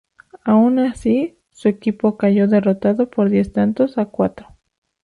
Aun así, su equipo cayó derrotado por diez tantos a cuatro.